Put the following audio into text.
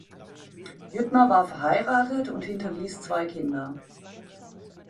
Jüttner war verheiratet und hinterließ zwei Kinder.